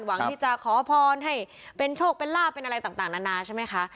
หวังที่จะขอพรให้เป็นโชคเป็นลาบเป็นอะไรต่างนานาใช่ไหมคะ